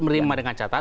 menerima dengan catatan